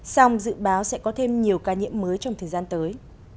song dự báo sẽ có thêm nhiều ca nhiễm mới trong thời gian tới